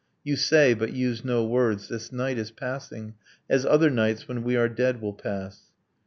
You say (but use no words) 'this night is passing As other nights when we are dead will pass